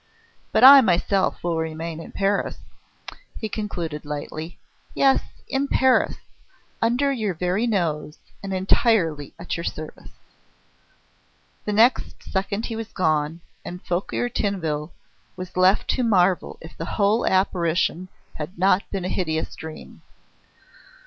But I myself will remain in Paris," he concluded lightly. "Yes, in Paris; under your very nose, and entirely at your service!" The next second he was gone, and Fouquier Tinville was left to marvel if the whole apparition had not been a hideous dream.